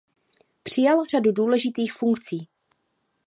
Přijal řadu důležitých funkcí.